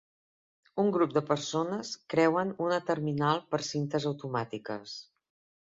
Un grup de persones creuen una terminal per cintes automàtiques.